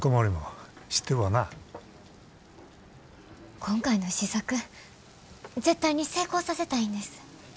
今回の試作絶対に成功させたいんです。